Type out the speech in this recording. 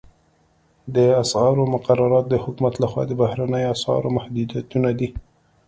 د اسعارو مقررات د حکومت لخوا د بهرنیو اسعارو محدودیتونه دي